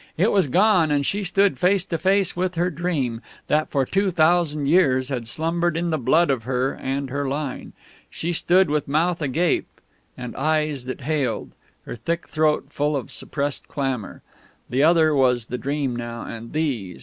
It was gone, and she stood face to face with her Dream, that for two thousand years had slumbered in the blood of her and her line. She stood, with mouth agape and eyes that hailed, her thick throat full of suppressed clamour. The other was the Dream now, and these!...